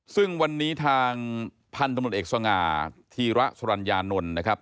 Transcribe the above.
ซึ่งวันนี้ทางพันธุ์ตำรวจเอกสง่าธีระสุรัญญานนท์นะครับ